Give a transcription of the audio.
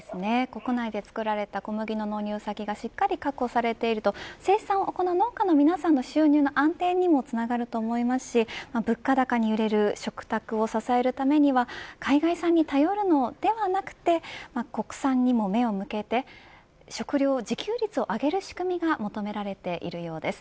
国内で作られた小麦の納入先がしっかり確保されていると生産を行う農家の皆さんの収入の安定にもつながると思いますし、物価高に揺れる食卓を支えるためには海外産に頼るのではなくて国産にも目を向けて食料自給率を上げる仕組みが求められているようです。